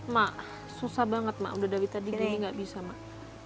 mak susah banget mak udah dari tadi gini gak bisa mak